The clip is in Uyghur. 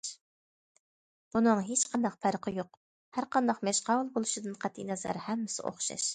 بۇنىڭ ھېچقانداق پەرقى يوق، ھەر قانداق مەشقاۋۇل بولۇشىدىن قەتئىينەزەر ھەممىسى ئوخشاش.